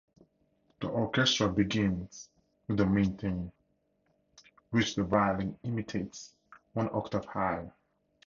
The orchestra begins with the main theme, which the violin imitates one octave higher.